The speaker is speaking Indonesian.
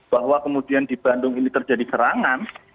bahwa kemudian di bandung ini terjadi serangan